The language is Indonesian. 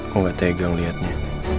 kok gak tegang liatnya